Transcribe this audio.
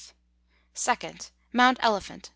2nd. Mount Elephant, N.